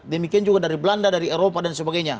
demikian juga dari belanda dari eropa dan sebagainya